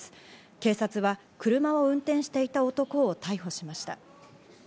警察は車を運転していた男を逮捕しました。